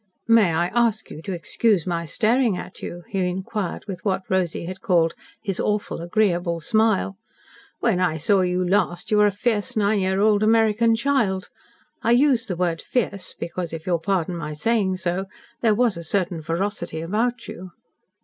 "May I ask you to excuse my staring at you?" he inquired with what Rosy had called his "awful, agreeable smile." "When I saw you last you were a fierce nine year old American child. I use the word 'fierce' because if you'll pardon my saying so there was a certain ferocity about you."